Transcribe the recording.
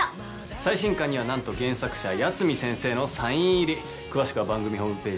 最新巻にはなんと原作者八海先生のサイン入り詳しくは番組ホームページまたは番組公式ＳＮＳまで